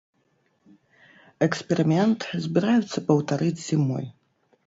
Эксперымент збіраюцца паўтарыць зімой.